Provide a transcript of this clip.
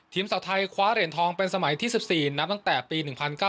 สาวไทยคว้าเหรียญทองเป็นสมัยที่๑๔นับตั้งแต่ปี๑๙๙